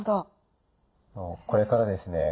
これからですね